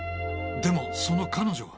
でもその彼女は。